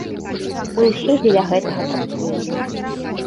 Мы ўсе дзеля гэтага працуем.